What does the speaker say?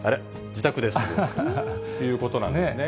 自宅で過ごすということなんですね。